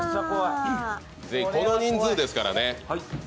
この人数ですからね。